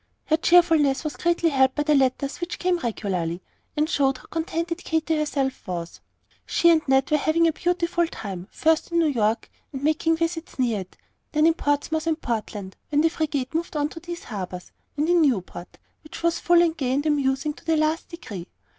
Her cheerfulness was greatly helped by the letters which came regularly, and showed how contented Katy herself was. She and Ned were having a beautiful time, first in New York, and making visits near it, then in Portsmouth and Portland, when the frigate moved on to these harbors, and in Newport, which was full and gay and amusing to the last degree.